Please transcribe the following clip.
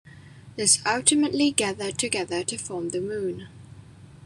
This ultimately gathered together to form the Moon.